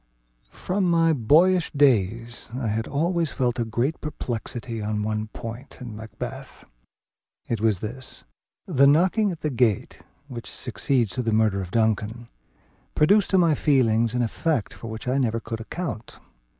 From my boyish days I had always felt a great perplexity on one point in Macbeth. It was this: the knocking at the gate, which succeeds to the murder of Duncan, produced to my feelings an effect for which I never could account.